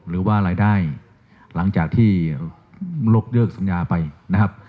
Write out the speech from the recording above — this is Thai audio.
หรือว่ารายได้หลังจากที่ยกเลิกสัญญาไปนะครับ